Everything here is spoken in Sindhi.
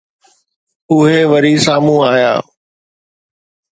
اهي وري سامهون آيا